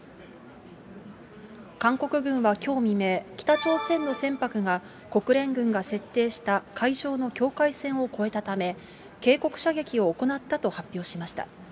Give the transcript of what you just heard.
韓国軍はきょう未明、北朝鮮の船舶が国連軍が設定した海上の境界線を越えたため、警告射撃を行ったと発表しました。